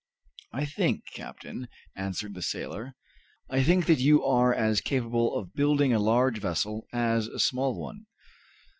"I think, captain," answered the sailor; "I think that you are as capable of building a large vessel as a small one.